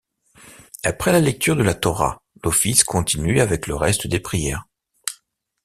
Après la lecture de la Torah, l'office continue avec le reste des prières.